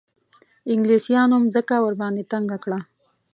انګلیسیانو مځکه ورباندې تنګه کړه.